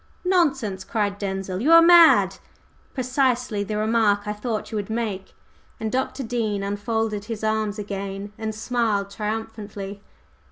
"Nonsense!" cried Denzil. "You are mad!" "Precisely the remark I thought you would make!" and Dr. Dean unfolded his arms again and smiled triumphantly.